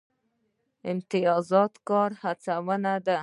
امتیازات د کار هڅونه ده